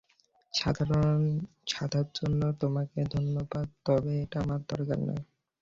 সাধার জন্য তোমাকে ধন্যবাদ তবে এটা আমার দরকার নেই।